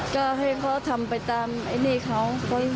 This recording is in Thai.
ก็ให้เขาทำไปตามไอ้นี่เขา